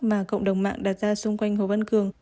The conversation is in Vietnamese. mà cộng đồng mạng đặt ra xung quanh hồ văn cường